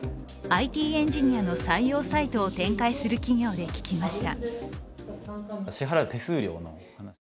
ＩＴエンジニアの採用サイトを展開する企業で聞きました。